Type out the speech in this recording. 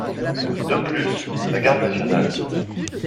De plus la garde nationale.